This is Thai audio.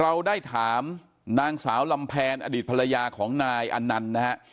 เราได้ถามนางสาวลำแพนอดีตภรรยาของนายอนันต์นะฮะ